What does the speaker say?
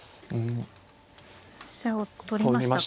飛車を取りました。